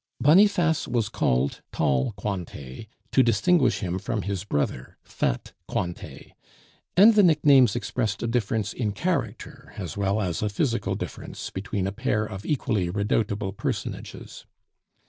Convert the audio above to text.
Boniface was called "tall Cointet" to distinguish him from his brother, "fat Cointet," and the nicknames expressed a difference in character as well as a physical difference between a pair of equally redoubtable personages.